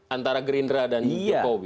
antara gerindra dan jokowi